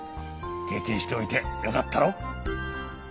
けいけんしておいてよかったろ？